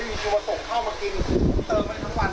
เดี๋ยวจะทำบูเฟ่หลังปีใหม่หนึ่งวัน